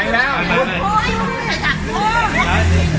ทุกคนดูเท้าก็นึกได้